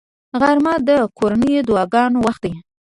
غرمه د کورنیو دعاګانو وخت دی